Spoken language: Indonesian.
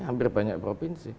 hampir banyak provinsi